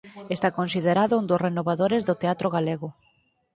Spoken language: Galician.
Está considerado un dos renovadores do teatro galego.